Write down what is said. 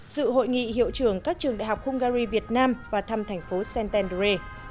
sự hội nghị hiệu trưởng các trường đại học hungary việt nam và thăm thành phố santand